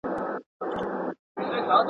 د مرغیو آواز واورئ.